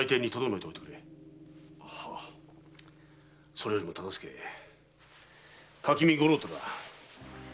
それよりも忠相垣見五郎太だ。